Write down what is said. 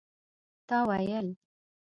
تا ويل